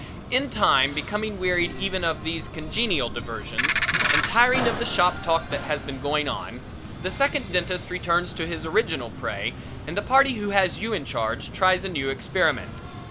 In time becoming wearied even of these congenial diversions and tiring of the shop talk that has been going on, the second dentist returns to his original prey and the party who has you in charge tries a new experiment.